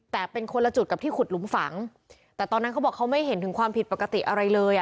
แต่เป็นคนละจุดกับที่ขุดหลุมฝังแต่ตอนนั้นเขาบอกเขาไม่เห็นถึงความผิดปกติอะไรเลยอ่ะ